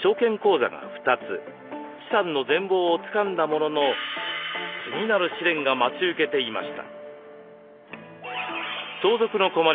資産の全貌をつかんだものの次なる試練が待ち受けていました。